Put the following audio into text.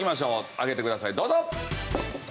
上げてくださいどうぞ！